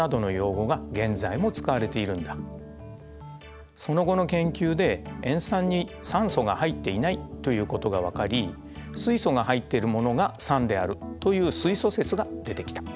実はその後の研究で塩酸に酸素が入っていないということが分かり水素が入ってるものが酸であるという水素説が出てきた。